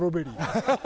ハハハハ！